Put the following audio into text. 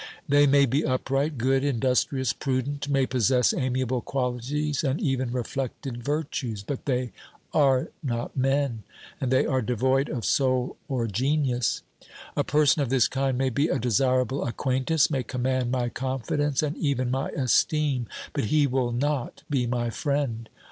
They may be upright, good, industrious, prudent, may possess amiable qualities and even reflected virtues, but they are not men, and they are devoid of soul or genius. A person of this kind may be a desirable acquaintance, may command my confidence and even my esteem, but he will not be my friend.